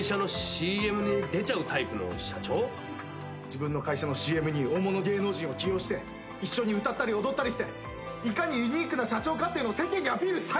自分の会社のＣＭに大物芸能人を起用して一緒に歌ったり踊ったりしていかにユニークな社長かっていうのを世間にアピールしたいんだよ！